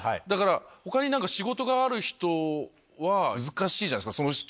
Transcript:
だからほかになんか仕事がある人は難しいじゃないですか。